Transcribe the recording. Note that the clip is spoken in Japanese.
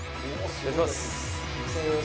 お願いします。